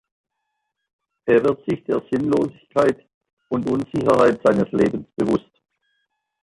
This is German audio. Er wird sich der Sinnlosigkeit und Unsicherheit seines Lebens bewusst.